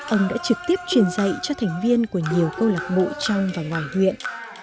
ông đã trực tiếp truyền dạy cho thành viên của nhiều câu lạc bộ trong và ngoài huyện